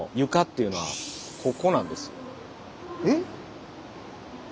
えっ？